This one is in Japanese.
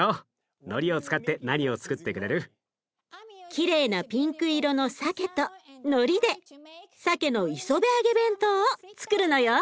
きれいなピンク色のさけとのりでさけの磯辺揚げ弁当をつくるのよ。